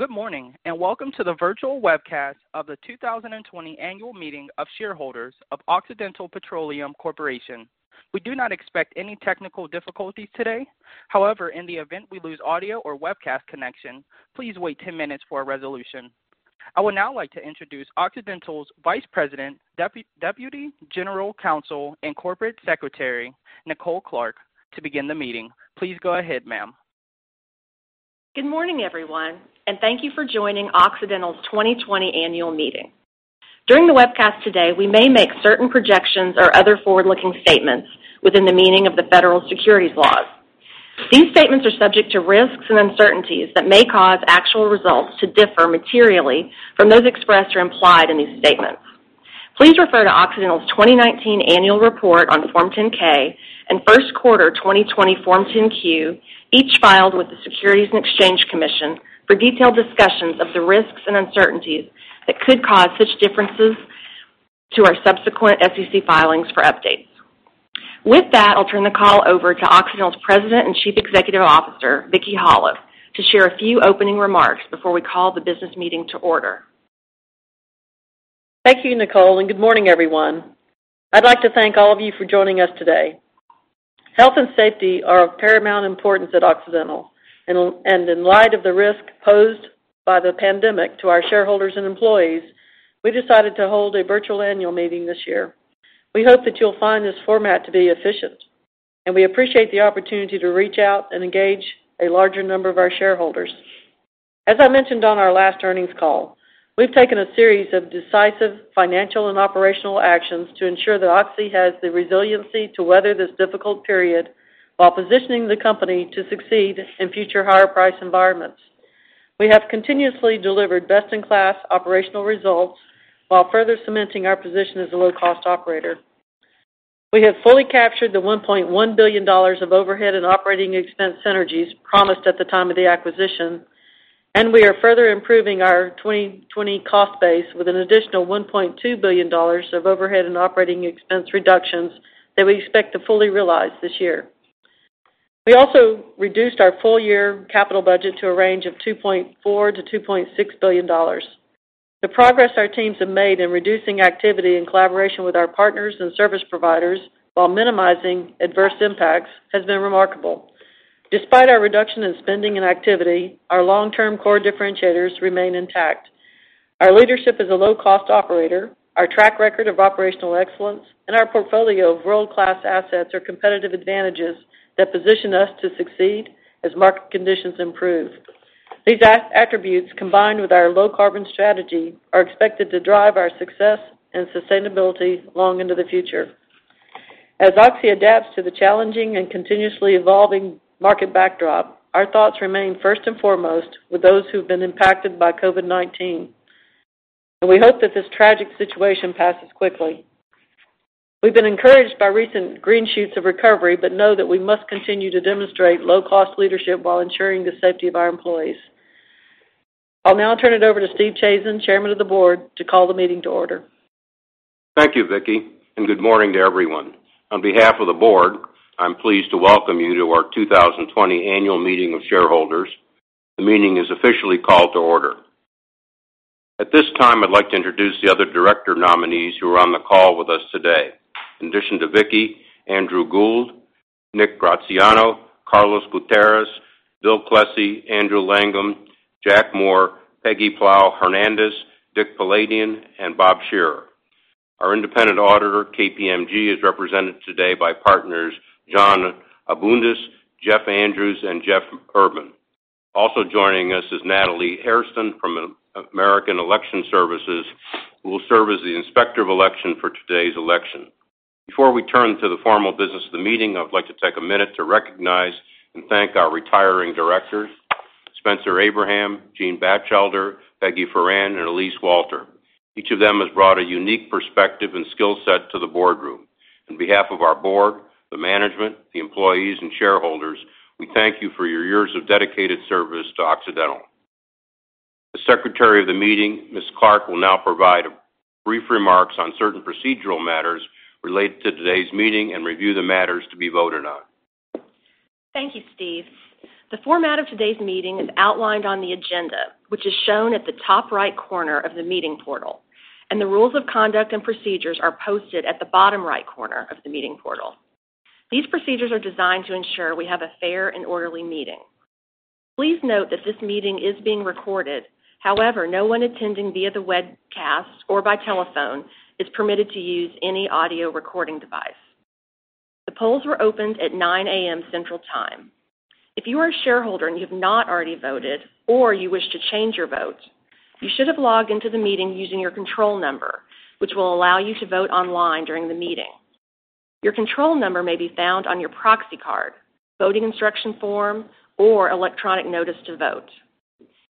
Good morning, welcome to the virtual webcast of the 2020 annual meeting of shareholders of Occidental Petroleum Corporation. We do not expect any technical difficulties today. However, in the event we lose audio or webcast connection, please wait 10 minutes for a resolution. I would now like to introduce Occidental's Vice President, Deputy General Counsel, and Corporate Secretary, Nicole Clark, to begin the meeting. Please go ahead, ma'am. Good morning, everyone, and thank you for joining Occidental's 2020 annual meeting. During the webcast today, we may make certain projections or other forward-looking statements within the meaning of the federal securities laws. These statements are subject to risks and uncertainties that may cause actual results to differ materially from those expressed or implied in these statements. Please refer to Occidental's 2019 annual report on Form 10-K and first quarter 2020 Form 10-Q, each filed with the Securities and Exchange Commission, for detailed discussions of the risks and uncertainties that could cause such differences to our subsequent SEC filings for updates. With that, I'll turn the call over to Occidental's President and Chief Executive Officer, Vicki Hollub, to share a few opening remarks before we call the business meeting to order. Thank you, Nicole, and good morning, everyone. I'd like to thank all of you for joining us today. Health and safety are of paramount importance at Occidental, and in light of the risk posed by the pandemic to our shareholders and employees, we decided to hold a virtual annual meeting this year. We hope that you'll find this format to be efficient, and we appreciate the opportunity to reach out and engage a larger number of our shareholders. As I mentioned on our last earnings call, we've taken a series of decisive financial and operational actions to ensure that Oxy has the resiliency to weather this difficult period while positioning the company to succeed in future higher-price environments. We have continuously delivered best-in-class operational results while further cementing our position as a low-cost operator. We have fully captured the $1.1 billion of overhead and operating expense synergies promised at the time of the acquisition, and we are further improving our 2020 cost base with an additional $1.2 billion of overhead and operating expense reductions that we expect to fully realize this year. We also reduced our full-year capital budget to a range of $2.4 billion-$2.6 billion. The progress our teams have made in reducing activity in collaboration with our partners and service providers while minimizing adverse impacts has been remarkable. Despite our reduction in spending and activity, our long-term core differentiators remain intact. Our leadership as a low-cost operator, our track record of operational excellence, and our portfolio of world-class assets are competitive advantages that position us to succeed as market conditions improve. These attributes, combined with our low-carbon strategy, are expected to drive our success and sustainability long into the future. As Oxy adapts to the challenging and continuously evolving market backdrop, our thoughts remain first and foremost with those who've been impacted by COVID-19. We hope that this tragic situation passes quickly. We've been encouraged by recent green shoots of recovery, but know that we must continue to demonstrate low-cost leadership while ensuring the safety of our employees. I'll now turn it over to Steve Chazen, Chairman of the Board, to call the meeting to order. Thank you, Vicki, and good morning to everyone. On behalf of the board, I'm pleased to welcome you to our 2020 annual meeting of shareholders. The meeting is officially called to order. At this time, I'd like to introduce the other director nominees who are on the call with us today. In addition to Vicki, Andrew Gould, Nick Graziano, Carlos Gutierrez, Bill Klesse, Andrew Langham, Jack Moore, Margarita Paláu-Hernández, Avedick Poladian, and Bob Shearer. Our independent auditor, KPMG, is represented today by partners Jeanne Abundis, Jeff Andrews, and Jeff Urban. Also joining us is Natalie Hairston from American Election Services, who will serve as the Inspector of Election for today's election. Before we turn to the formal business of the meeting, I would like to take a minute to recognize and thank our retiring directors, Spencer Abraham, Gene Batchelder, Peggy Foran, and Elisse Walter. Each of them has brought a unique perspective and skill set to the boardroom. On behalf of our board, the management, the employees, and shareholders, we thank you for your years of dedicated service to Occidental. The secretary of the meeting, Ms. Clark, will now provide brief remarks on certain procedural matters related to today's meeting and review the matters to be voted on. Thank you, Steve. The format of today's meeting is outlined on the agenda, which is shown at the top right corner of the meeting portal, and the rules of conduct and procedures are posted at the bottom right corner of the meeting portal. These procedures are designed to ensure we have a fair and orderly meeting. Please note that this meeting is being recorded. However, no one attending via the webcast or by telephone is permitted to use any audio recording device. The polls were opened at 9:00 AM, Central Time. If you are a shareholder and you have not already voted or you wish to change your vote, you should have logged into the meeting using your control number, which will allow you to vote online during the meeting. Your control number may be found on your proxy card, voting instruction form, or electronic notice to vote.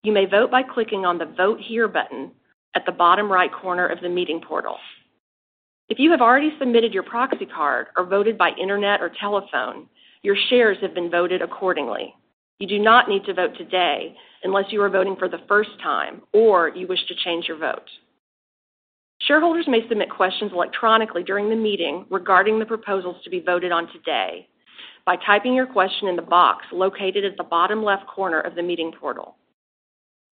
You may vote by clicking on the "Vote Here" button at the bottom right corner of the meeting portal. If you have already submitted your proxy card or voted by internet or telephone, your shares have been voted accordingly. You do not need to vote today unless you are voting for the first time or you wish to change your vote. Shareholders may submit questions electronically during the meeting regarding the proposals to be voted on today by typing your question in the box located at the bottom left corner of the meeting portal.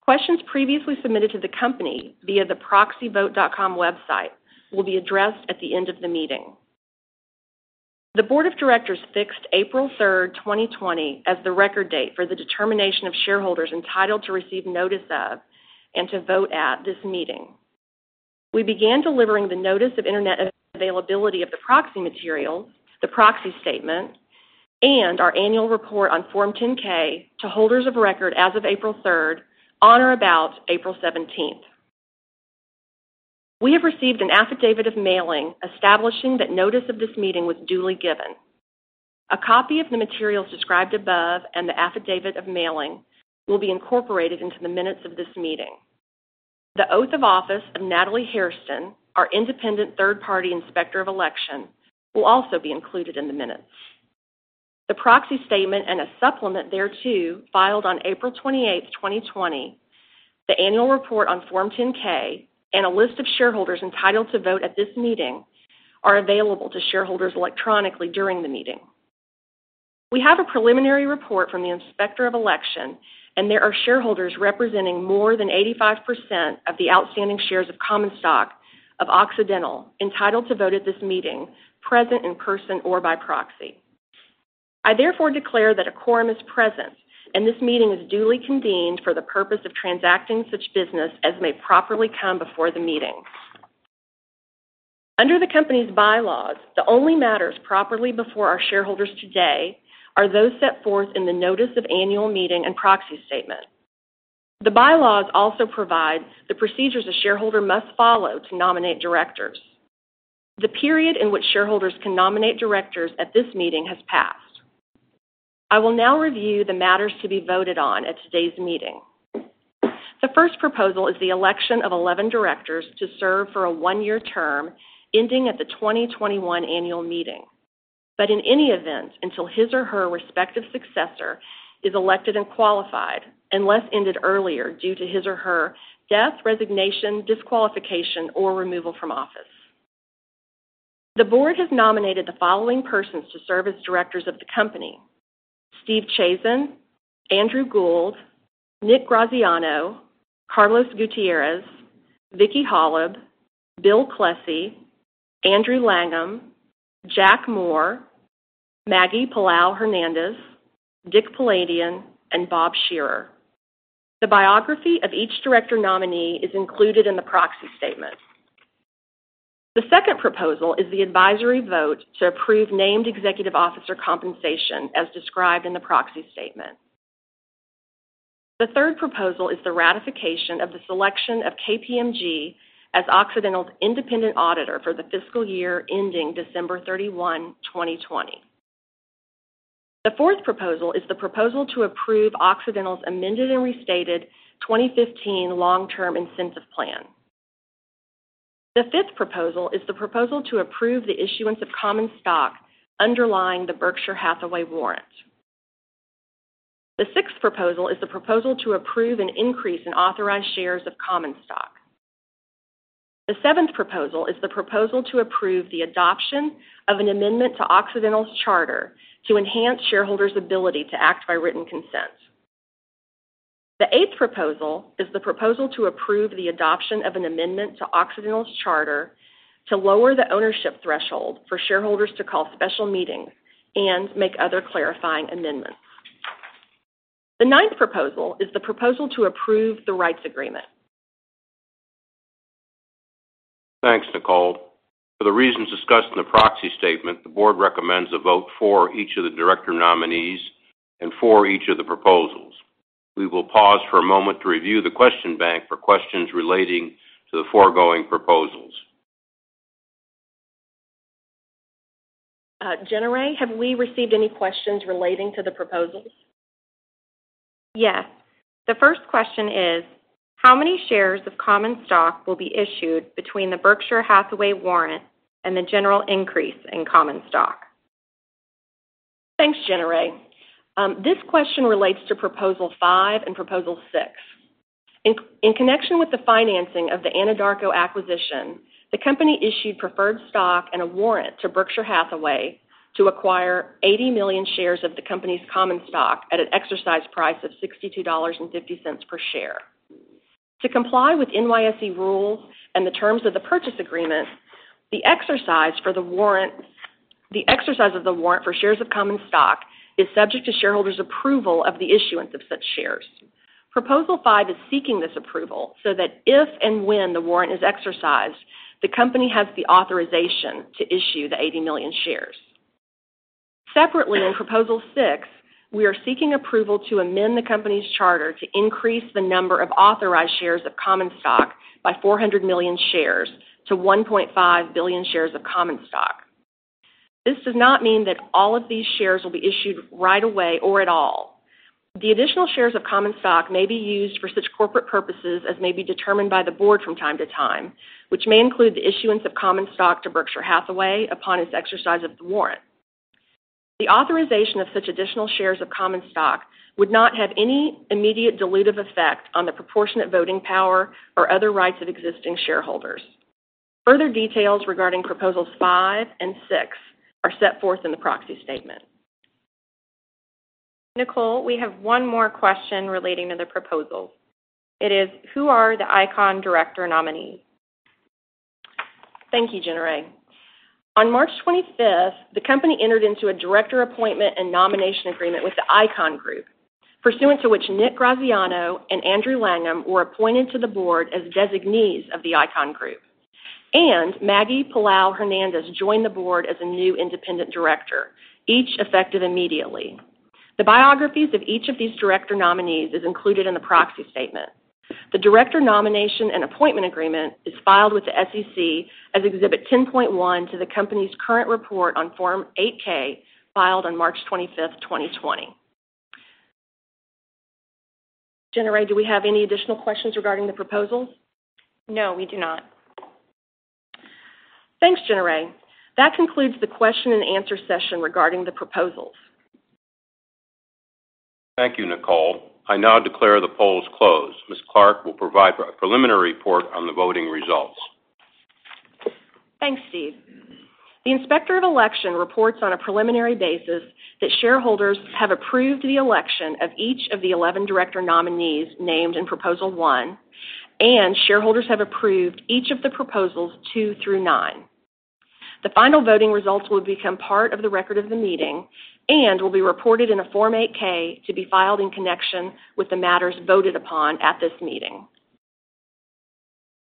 Questions previously submitted to the company via the proxyvote.com website will be addressed at the end of the meeting. The board of directors fixed April 3rd, 2020, as the record date for the determination of shareholders entitled to receive notice of and to vote at this meeting. We began delivering the notice of internet availability of the proxy material, the proxy statement, and our annual report on Form 10-K to holders of record as of April 3rd on or about April 17th. We have received an affidavit of mailing establishing that notice of this meeting was duly given. A copy of the materials described above and the affidavit of mailing will be incorporated into the minutes of this meeting. The oath of office of Natalie Hairston, our independent third-party inspector of election, will also be included in the minutes. The proxy statement and a supplement thereto filed on April 28th, 2020, the annual report on Form 10-K, and a list of shareholders entitled to vote at this meeting are available to shareholders electronically during the meeting. We have a preliminary report from the inspector of election, and there are shareholders representing more than 85% of the outstanding shares of common stock of Occidental entitled to vote at this meeting, present in person or by proxy. I therefore declare that a quorum is present, and this meeting is duly convened for the purpose of transacting such business as may properly come before the meeting. Under the company's bylaws, the only matters properly before our shareholders today are those set forth in the notice of annual meeting and proxy statement. The bylaws also provide the procedures a shareholder must follow to nominate directors. The period in which shareholders can nominate directors at this meeting has passed. I will now review the matters to be voted on at today's meeting. The first proposal is the election of 11 directors to serve for a one-year term ending at the 2021 annual meeting. In any event, until his or her respective successor is elected and qualified, unless ended earlier due to his or her death, resignation, disqualification, or removal from office. The board has nominated the following persons to serve as directors of the company: Steve Chazen, Andrew Gould, Nick Graziano, Carlos Gutierrez, Vicki Hollub, Bill Klesse, Andrew Langham, Jack Moore, Maggie Paláu-Hernández, Dick Poladian, and Bob Shearer. The biography of each director nominee is included in the proxy statement. The second proposal is the advisory vote to approve named executive officer compensation as described in the proxy statement. The third proposal is the ratification of the selection of KPMG as Occidental's independent auditor for the fiscal year ending December 31, 2020. The fourth proposal is the proposal to approve Occidental's amended and restated 2015 Long-Term Incentive Plan. The fifth proposal is the proposal to approve the issuance of common stock underlying the Berkshire Hathaway warrant. The sixth proposal is the proposal to approve an increase in authorized shares of common stock. The seventh proposal is the proposal to approve the adoption of an amendment to Occidental's charter to enhance shareholders' ability to act by written consent. The eighth proposal is the proposal to approve the adoption of an amendment to Occidental's charter to lower the ownership threshold for shareholders to call special meetings and make other clarifying amendments. The ninth proposal is the proposal to approve the rights agreement. Thanks, Nicole. For the reasons discussed in the proxy statement, the board recommends a vote for each of the director nominees and for each of the proposals. We will pause for a moment to review the question bank for questions relating to the foregoing proposals. Jenna-Rae, have we received any questions relating to the proposals? Yes. The first question is: How many shares of common stock will be issued between the Berkshire Hathaway warrant and the general increase in common stock? Thanks, Jenna-Rae. This question relates to Proposal five and Proposal six. In connection with the financing of the Anadarko acquisition, the company issued preferred stock and a warrant to Berkshire Hathaway to acquire 80 million shares of the company's common stock at an exercise price of $62.50 per share. To comply with NYSE rules and the terms of the purchase agreement, the exercise of the warrant for shares of common stock is subject to shareholders' approval of the issuance of such shares. Proposal five is seeking this approval so that if and when the warrant is exercised, the company has the authorization to issue the 80 million shares. Separately, in Proposal six, we are seeking approval to amend the company's charter to increase the number of authorized shares of common stock by 400 million shares to 1.5 billion shares of common stock. This does not mean that all of these shares will be issued right away or at all. The additional shares of common stock may be used for such corporate purposes as may be determined by the board from time to time, which may include the issuance of common stock to Berkshire Hathaway upon its exercise of the warrant. The authorization of such additional shares of common stock would not have any immediate dilutive effect on the proportionate voting power or other rights of existing shareholders. Further details regarding proposals five and six are set forth in the proxy statement. Nicole, we have one more question relating to the proposal. It is. Who are the Icahn director nominees? Thank you, Jenna Rae. On March 25th, the company entered into a director appointment and nomination agreement with the Icahn group, pursuant to which Nick Graziano and Andrew Langham were appointed to the board as designees of the Icahn group, and Maggie Paláu-Hernández joined the board as a new independent director, each effective immediately. The biographies of each of these director nominees is included in the proxy statement. The director nomination and appointment agreement is filed with the SEC as Exhibit 10.1 to the company's current report on Form 8-K, filed on March 25th, 2020. Jenna-Rae, do we have any additional questions regarding the proposals? No, we do not. Thanks, Jenna Rae. That concludes the question and answer session regarding the proposals. Thank you, Nicole. I now declare the polls closed. Ms. Clark will provide a preliminary report on the voting results. Thanks, Steve. The Inspector of Election reports on a preliminary basis that shareholders have approved the election of each of the 11 director nominees named in proposal one. Shareholders have approved each of the proposals two through nine. The final voting results will become part of the record of the meeting and will be reported in a Form 8-K to be filed in connection with the matters voted upon at this meeting.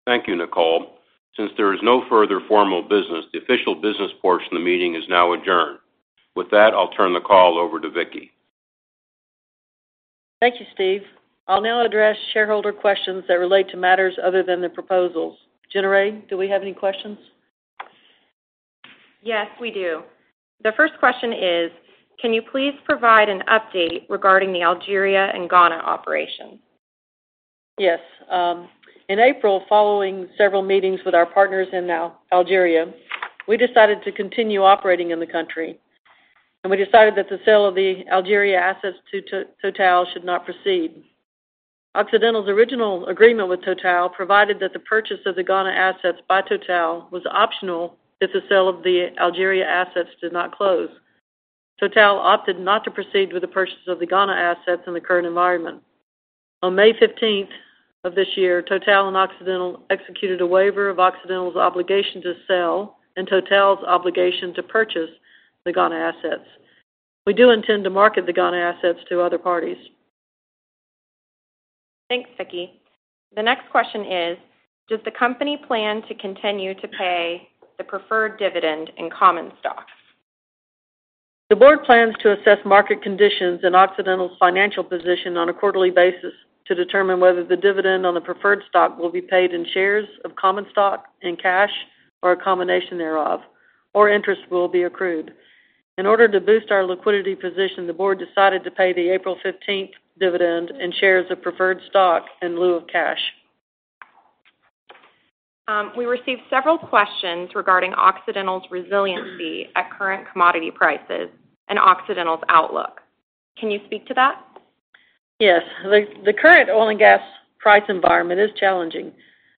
Thank you, Nicole. Since there is no further formal business, the official business portion of the meeting is now adjourned. With that, I'll turn the call over to Vicki. Thank you, Steve. I'll now address shareholder questions that relate to matters other than the proposals. Jenna-Rae, do we have any questions? Yes, we do. The first question is: can you please provide an update regarding the Algeria and Ghana operations? Yes. In April, following several meetings with our partners in Algeria, we decided to continue operating in the country. We decided that the sale of the Algeria assets to Total should not proceed. Occidental's original agreement with Total provided that the purchase of the Ghana assets by Total was optional if the sale of the Algeria assets did not close. Total opted not to proceed with the purchase of the Ghana assets in the current environment. On May 15th of this year, Total and Occidental executed a waiver of Occidental's obligation to sell and Total's obligation to purchase the Ghana assets. We do intend to market the Ghana assets to other parties. Thanks, Vicki. The next question is: does the company plan to continue to pay the preferred dividend in common stocks? The board plans to assess market conditions and Occidental's financial position on a quarterly basis to determine whether the dividend on the preferred stock will be paid in shares of common stock and cash or a combination thereof, or interest will be accrued. In order to boost our liquidity position, the board decided to pay the April 15th dividend in shares of preferred stock in lieu of cash. We received several questions regarding Occidental's resiliency at current commodity prices and Occidental's outlook. Can you speak to that? Yes. The current oil and gas price environment is challenging.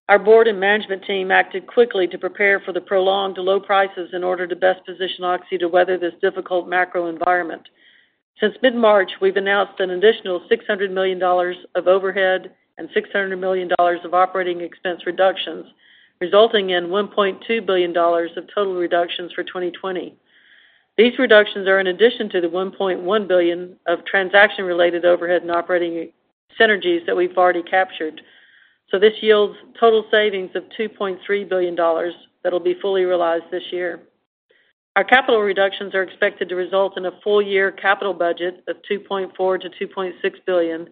Our board and management team acted quickly to prepare for the prolonged low prices in order to best position Oxy to weather this difficult macro environment. Since mid-March, we've announced an additional $600 million of overhead and $600 million of operating expense reductions, resulting in $1.2 billion of total reductions for 2020. These reductions are in addition to the $1.1 billion of transaction-related overhead and operating synergies that we've already captured. This yields total savings of $2.3 billion that'll be fully realized this year. Our capital reductions are expected to result in a full-year capital budget of $2.4 billion-$2.6 billion,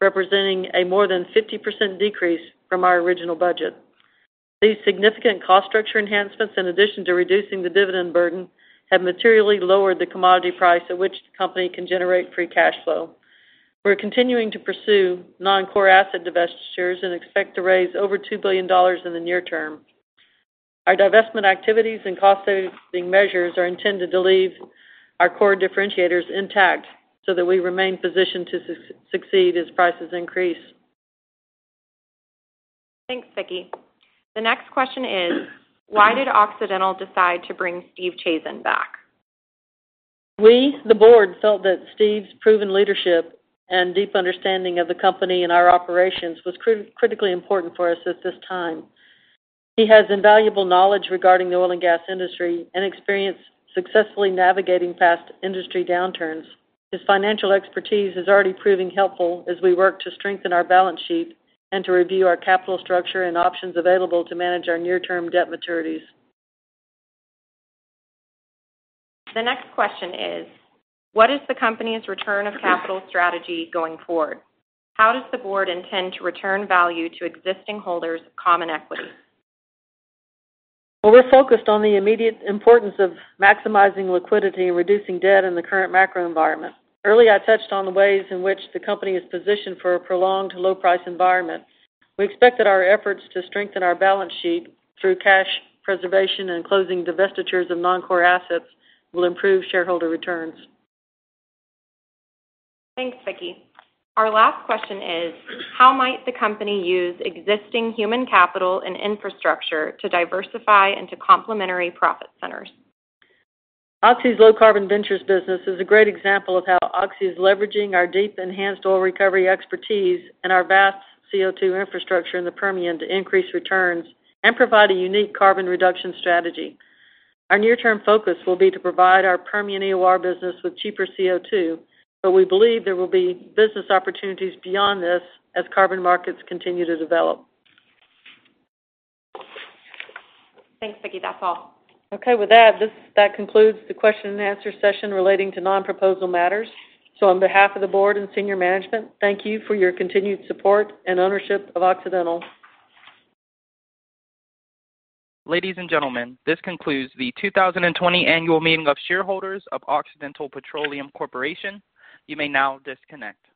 representing a more than 50% decrease from our original budget. These significant cost structure enhancements, in addition to reducing the dividend burden, have materially lowered the commodity price at which the company can generate free cash flow. We're continuing to pursue non-core asset divestitures and expect to raise over $2 billion in the near term. Our divestment activities and cost-saving measures are intended to leave our core differentiators intact so that we remain positioned to succeed as prices increase. Thanks, Vicki. The next question is: why did Occidental decide to bring Steve Chazen back? We, the board, felt that Steve's proven leadership and deep understanding of the company and our operations was critically important for us at this time. He has invaluable knowledge regarding the oil and gas industry and experience successfully navigating past industry downturns. His financial expertise is already proving helpful as we work to strengthen our balance sheet and to review our capital structure and options available to manage our near-term debt maturities. The next question is: what is the company's return of capital strategy going forward? How does the board intend to return value to existing holders of common equity? Well, we're focused on the immediate importance of maximizing liquidity and reducing debt in the current macro environment. Earlier, I touched on the ways in which the company is positioned for a prolonged low price environment. We expect that our efforts to strengthen our balance sheet through cash preservation and closing divestitures of non-core assets will improve shareholder returns. Thanks, Vicki. Our last question is: how might the company use existing human capital and infrastructure to diversify into complementary profit centers? Oxy's Low Carbon Ventures business is a great example of how Oxy is leveraging our deep enhanced oil recovery expertise and our vast CO2 infrastructure in the Permian to increase returns and provide a unique carbon reduction strategy. Our near-term focus will be to provide our Permian EOR business with cheaper CO2. We believe there will be business opportunities beyond this as carbon markets continue to develop. Thanks, Vicki. That's all. Okay. With that concludes the question and answer session relating to non-proposal matters. On behalf of the board and senior management, thank you for your continued support and ownership of Occidental. Ladies and gentlemen, this concludes the 2020 annual meeting of shareholders of Occidental Petroleum Corporation. You may now disconnect.